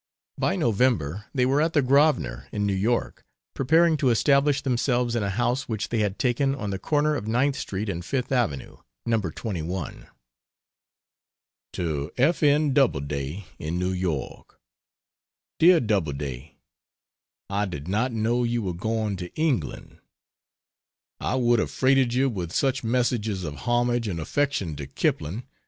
By November they were at the Grosvenor, in New York, preparing to establish themselves in a house which they had taken on the corner of Ninth Street and Fifth Avenue Number 21. To F. N. Doubleday, in New York: DEAR DOUBLEDAY, I did not know you were going to England: I would have freighted you with such messages of homage and affection to Kipling.